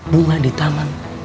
bunga di taman